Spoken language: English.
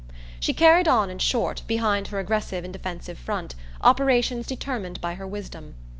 She carried on in short, behind her aggressive and defensive front, operations determined by her wisdom.